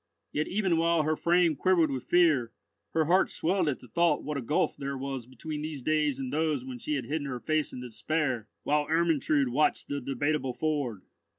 Yet even while her frame quivered with fear, her heart swelled at the thought what a gulf there was between these days and those when she had hidden her face in despair, while Ermentrude watched the Debateable Ford.